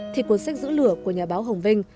thì cuốn sách giữ lửa của nhà báo hồng vinh